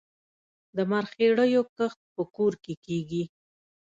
د مرخیړیو کښت په کور کې کیږي؟